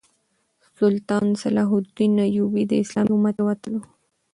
سلطان صلاح الدین ایوبي د اسلامي امت یو اتل وو.